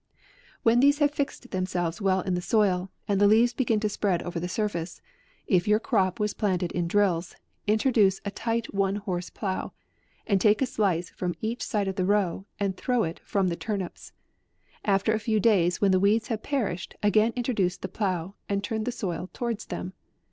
When these have fixed themselves well in the soil, and the leaves begin to spread over the surface, if your crop was planted in drills, introduce a tight one horse plough, and take a slice from each side of the row and throw it from the turnips ; after a few days when the weeds have perished, again introduce AUGUST. lG9 the plough, and turn the soil towards them.